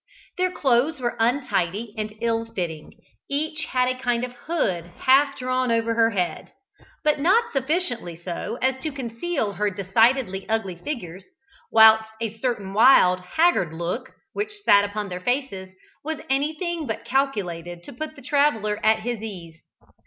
Their clothes were untidy and ill fitting: each had a kind of hood half drawn over her head; but not sufficiently so as to conceal her decidedly ugly features, whilst a certain wild, haggard look, which sat upon their faces, was anything but calculated to put the traveller at his ease.